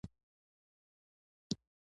ایا دا ستاسو سوداګریز پلانونه وو چې ما اوریدل